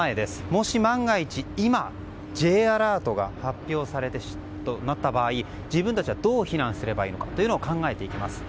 もし万が一、今Ｊアラートが発表された場合自分たちはどう避難すればいいのかというのを考えていきます。